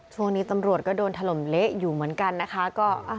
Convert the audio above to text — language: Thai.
ช่วงนี้ตำรวจก็โดนถล่มเละอยู่เหมือนกันนะคะ